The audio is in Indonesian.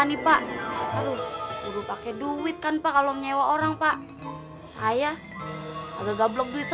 ini pak aduh buru pakai duit kan pak kalau menyewa orang pak saya agak gablok duit sekali pak